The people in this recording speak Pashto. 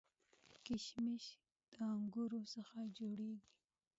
کشمش د انګورو څخه جوړیږي